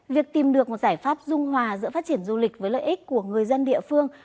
việc tìm được một giải pháp dung hòa giữa phát triển du lịch với lợi ích của người dân địa phương